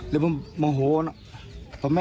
แล้วผมโมโหนะ